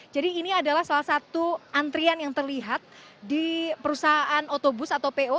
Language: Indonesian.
jadi ini adalah salah satu antrian yang terlihat di perusahaan otobus atau po